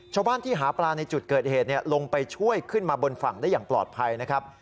ชาวบ้านที่หาปลาในจุดเกิดเหตุลงไปช่วยขึ้นมาบนฝั่งได้อย่างปลอดภัยนะครับ